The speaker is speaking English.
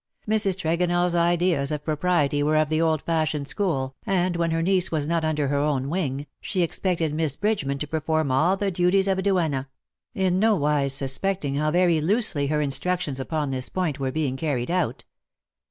Mrs. TregonelFs ideas of propriety were of the old fashioned school, and when her niece was not under her own wing, she expected Miss Bridgeman to perform all the duties of a duenna — in no wise suspecting how very loosely her instructions upon this point were being carried out.